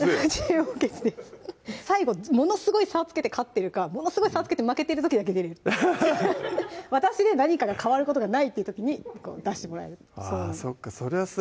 最後ものすごい差つけて勝ってるかものすごい差つけて負けてる時だけ出れる私で何かが変わることがないって時に出してもらえるそりゃ